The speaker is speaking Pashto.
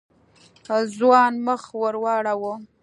ځوان مخ ور واړاوه.